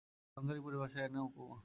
আলঙ্কারিক পরিভাষায় এর নাম উপমা।